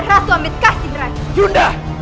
rasuah mitkasin raya